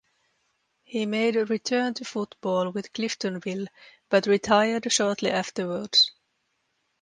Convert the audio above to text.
He made a return to football with Cliftonville but retired shortly afterwards.